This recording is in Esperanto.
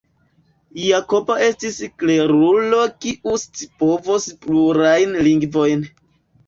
Jakobo estis klerulo kiu scipovis plurajn lingvojn.